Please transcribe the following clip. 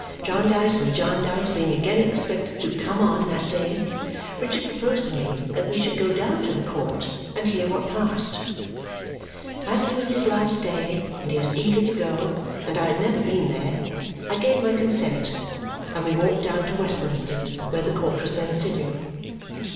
Jarndyce and Jarndyce being again expected to come on that day, Richard proposed to me that we should go down to the court and hear what passed. As it was his last day, and he was eager to go, and I had never been there, I gave my consent and we walked down to Westminster, where the court was then sitting.